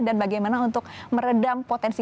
dan bagaimana untuk meredam potensi